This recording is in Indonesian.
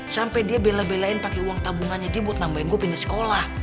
sampai dia bela belain pakai uang tabungannya dia buat nambahin gue pindah sekolah